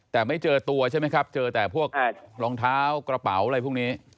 แต่ไม่เจอตัวใช่ไหมครับเจอแต่พวกรองเท้ากระเป๋าอะไรพวกนี้